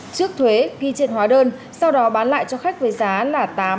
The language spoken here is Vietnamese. trước thuế ghi trên hóa đơn sau đó bán lại cho khách với giá là tám mươi